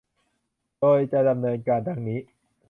โดยจะดำเนินการ ดังนี้